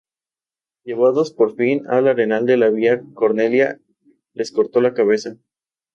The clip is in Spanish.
Llevados por fin al arenal de la Vía Cornelia, les cortó la cabeza.